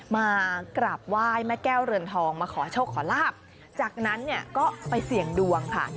มากราบไหว้แม่แก้วเรือนทองมาขอโชคขอลาบจากนั้นเนี่ยก็ไปเสี่ยงดวงค่ะ